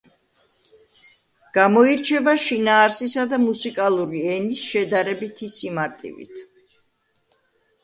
გამოირჩევა შინაარსისა და მუსიკალური ენის შედარებითი სიმარტივით.